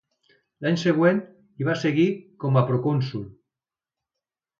L'any següent hi va seguir com a procònsol.